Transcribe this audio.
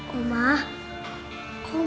yang kamu memang gunakan